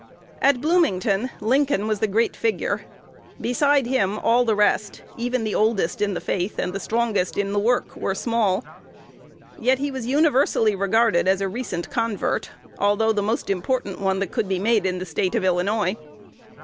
At Bloomington Lincoln was the great figure. Beside him all the rest even the oldest in the faith and the strongest in the work were small. Yet he was universally regarded as a recent convert, although the most important one that could be made in the State of Illinois.